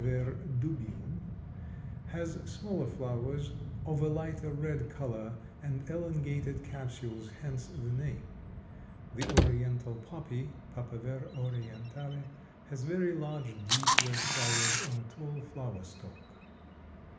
dubium_) has smaller flowers of a lighter red color and elongated capsules, hence the name. The Oriental poppy (P. orientale) has very large, deep red flowers on a tall flower stalk.